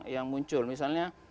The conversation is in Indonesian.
yang muncul misalnya